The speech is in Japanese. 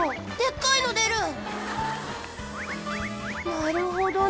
なるほどね。